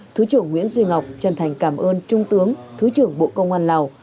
thứ trưởng nguyễn duy ngọc chân thành cảm ơn trung tướng thứ trưởng bộ công an lào